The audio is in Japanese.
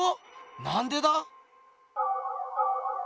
なんでだ？